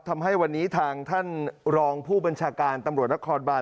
ทำให้วันนี้ทางท่านรองผู้บัญชาการตำรวจนครบาน